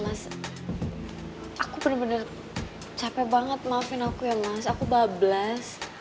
mas aku bener bener capek banget maafin aku ya mas aku bablas